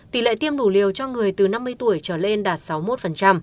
tỷ lệ tiêm đủ liều cho người từ năm mươi tuổi trở lên đạt sáu mươi một